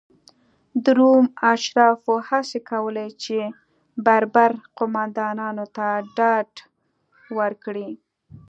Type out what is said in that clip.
د روم اشرافو هڅې کولې چې بربر قومندانانو ته ډاډ ورکړي.